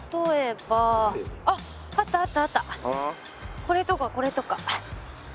これとかこれとか。